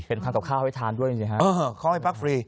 เป็นขั้นต่อข้าวให้ทานด้วยอย่างงี้ครับเออเขาให้พักฟรี